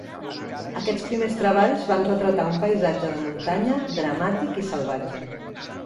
Aquests primers treballs van retratar un paisatge de muntanya dramàtic i salvatge.